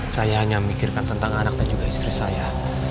saya hanya memikirkan tentang anak dan juga istri saya